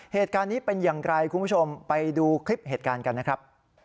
เหตุการณ์นี้เป็นอย่างไรคุณผู้ชมไปดูคลิปเหตุการณ์กันนะครับ